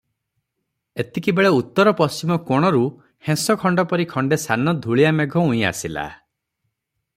ଏତିକିବେଳେ ଉତ୍ତର ପଶ୍ଚିମ କୋଣରୁ ହେଁସଖଣ୍ଡ ପରି ଖଣ୍ଡେ ସାନ ଧୂଳିଆ ମେଘ ଉଇଁ ଆସିଲା ।